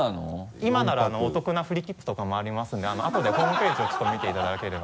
今ならお得なフリー切符とかもありますのであとでホームページをちょっと見ていただければ。